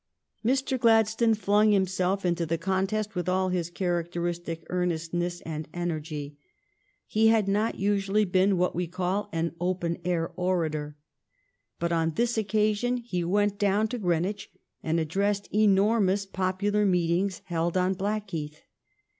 Mr. Gladstone flung himself into the contest with all his characteristic earnestness and energy. He had not usually been what we call an open air orator. But on this occasion he went down to Greenwich and addressed enormous popular meet ings held on Blackheath.